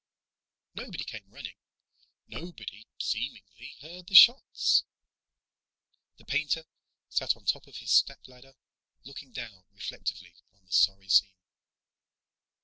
Nobody came running. Nobody, seemingly, heard the shots. The painter sat on the top of his stepladder, looking down reflectively on the sorry scene.